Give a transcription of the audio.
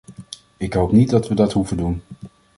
Ik hoop niet dat we dat hoeven doen.